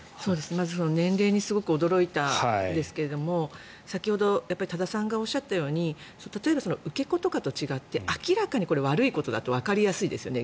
まず年齢にすごく驚いたんですけども先ほど多田さんがおっしゃったように例えば、受け子とかと違って明らかにこれ、悪いことだとわかりやすいですよね。